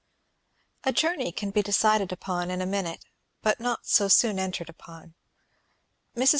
A journey can be decided upon in a minute, but not so soon entered upon. Mrs.